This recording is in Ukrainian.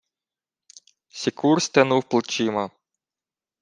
Сікур стенув плечима.